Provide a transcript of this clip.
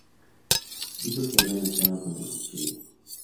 Dijo que habían luchado con el cuchillo.